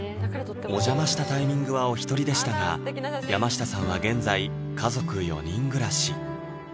お邪魔したタイミングはお一人でしたが山下さんは現在家族４人暮らし